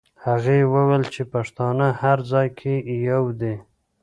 هغې وویل چې پښتانه هر ځای کې یو دي.